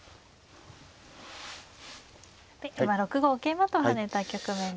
今６五桂馬と跳ねた局面ですね。